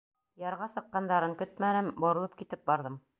Ярға сыҡҡандарын көтмәнем, боролоп китеп барҙым.